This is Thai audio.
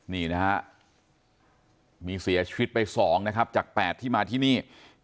นี่นะฮะมีเสียชีวิตไป๒นะครับจาก๘ที่มาที่นี่